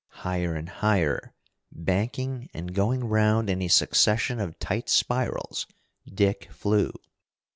Higher and higher, banking and going round in a succession of tight spirals, Dick flew.